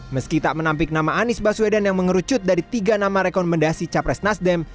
meski tak menampik nama anies baswedan yang mengerucut dari tiga nama rekomendasi capres nasdem